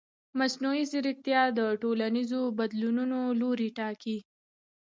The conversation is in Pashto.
مصنوعي ځیرکتیا د ټولنیزو بدلونونو لوری ټاکي.